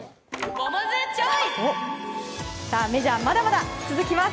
メジャーまだまだ続きます。